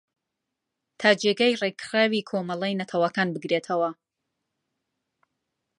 تا جێگای ریکخراوی کۆمەلەی نەتەوەکان بگرێتەوە